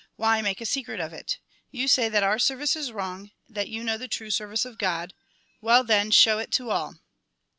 Why make a secret of it ? You say that our ser vice is wrong, that you know the true service of God ; well then, show it to all."